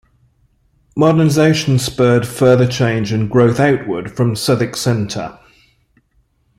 Modernization spurred further change and growth outward from Southwick Center.